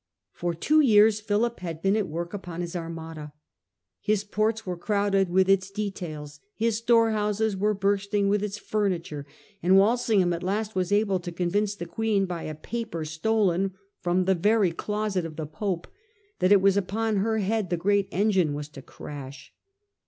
For two years Philip had been at work upon his Armada. His ports were crowded with its details ; his storehouses were bursting with its fur niture ; and Walsingham at last was able to convince the Queen by a paper stolen from the very closet of the Pope, that it was upon her head the great engine was to crash.